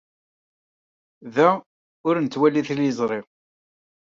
Da, ur nettwali tiliẓri.